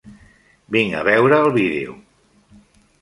Vinc a veure el vídeo.